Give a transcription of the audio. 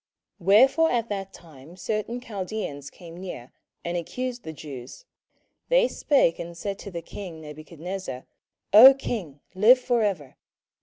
27:003:008 Wherefore at that time certain Chaldeans came near, and accused the Jews. 27:003:009 They spake and said to the king Nebuchadnezzar, O king, live for ever.